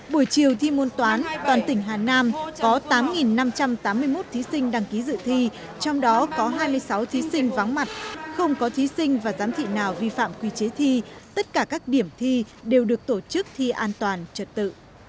buổi chiều thi môn toán toàn tỉnh hà nam có tám năm trăm tám mươi một thí sinh đăng ký dự thi trong đó có hai mươi sáu thí sinh vắng mặt không có thí sinh và giám thị nào vi phạm quy chế thi tất cả các điểm thi đều được tổ chức thi an toàn trật tự